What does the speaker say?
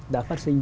đã phát sinh